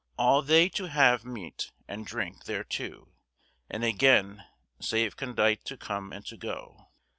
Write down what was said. "Alle thay to have mete and drynke therto, And, again, save condyte to come and to go."